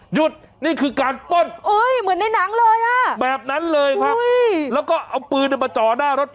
หยุดนี่คือการป้นแบบนั้นเลยครับแล้วก็เอาปืนมาจ่อนหน้ารถ